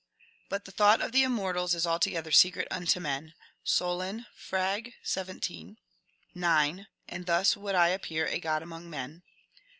^^ But the thought of the immortals is altogether secret unto men." — Solon, frag. 17. 9. ^^ And thus would I appear a god among men